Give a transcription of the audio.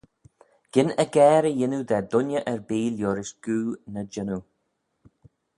Gyn aggair y yannoo da dooinney erbee liorish goo ny jannoo.